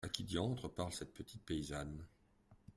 À qui diantre parle cette petite paysanne ?